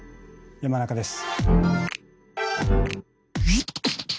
山中です。